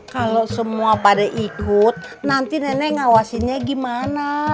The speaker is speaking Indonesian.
kalo semua pada ikut nanti nenek ngawasinya gimana